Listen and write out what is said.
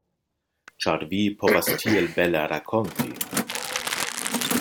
Ĉar vi povas tiel bele rakonti.